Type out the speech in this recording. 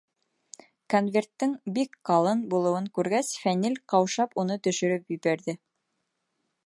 Конверттың бик ҡалын булыуын күргәс, Фәнил ҡаушап уны төшөрөп ебәрҙе.